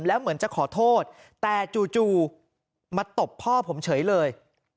แล้วเหมือนจะขอโทษแต่จู่มาตบพ่อผมเฉยเลย